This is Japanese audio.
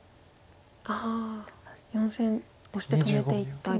ああ４線オシて止めていったり。